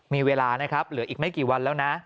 มีเวลานะครับเหลืออีกไม่กี่วันแล้วนะ